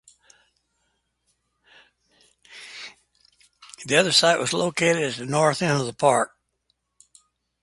The other site was located at the north end of the park.